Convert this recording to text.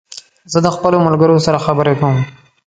زه د خپلو ملګرو سره خبري کوم